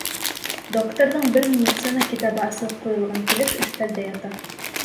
Докторҙың бер медицина китабы асып ҡуйылған килеш өҫтәлдә ята.